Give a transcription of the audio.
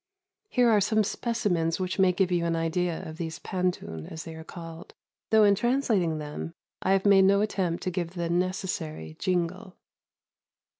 Here are some specimens which may give you an idea of these pantun, as they are called, though in translating them I have made no attempt to give the necessary "jingle."